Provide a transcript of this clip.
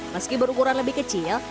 meski berukuran lebih kecil